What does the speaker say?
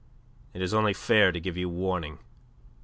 It is only fair to give you warning.